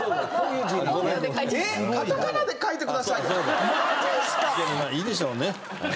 でもまあいいでしょうね。